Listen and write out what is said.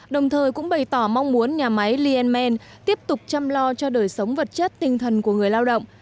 đồng thời cũng bày tỏ mong muốn nhà máy lienman tiếp tục chăm lo cho đời sống vật chất tinh thần của người lao động